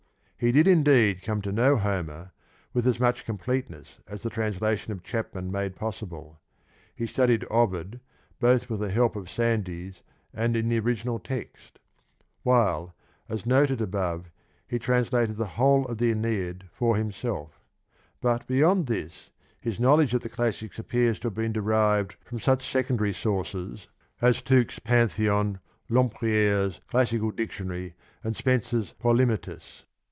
He did, indeed, come to know Homer with as much completeness as the translation of Chapman made possible ; he studied Ovid both with the help of Sandys and in the original text; while, as noted above, he translated the whole of the ^Aeneid for himself; but beyond this his knowledge of the classics appears to have been derived from such secondary sources as Tooke's 47 Pantheon, Lcmpriere's Classical Dictionary and Spence's Polynietis.